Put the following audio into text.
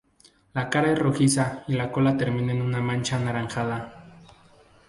La cara es rojiza y la cola termina en una mancha anaranjada.